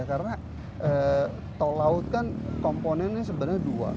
karena tol laut kan komponennya sebenarnya dua